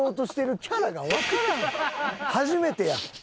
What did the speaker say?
初めてや。